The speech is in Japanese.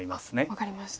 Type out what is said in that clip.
分かりました。